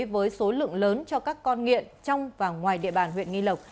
với số lượng lớn cho các con nghiện trong và ngoài địa bàn huyện nghi lộc